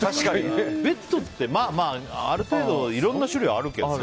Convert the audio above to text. ベッドって、ある程度いろんな種類あるけどね。